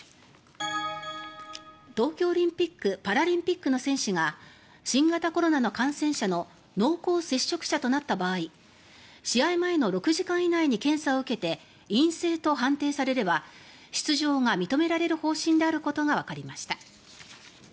東京オリンピック・パラリンピックの選手が新型コロナの感染者の濃厚接触者となった場合試合前の６時間以内に検査を受けて陰性と判定されれば出場が認められる方針であることがわかりました。